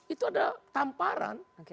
itu ada tamparan